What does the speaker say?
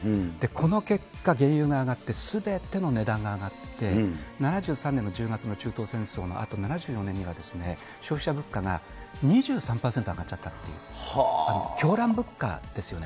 この結果、原油が上がって、すべての値段が上がって、７３年の１０月の中東戦争のあと、７４年には消費者物価が２３％上がっちゃったっていう、狂乱物価ですよね。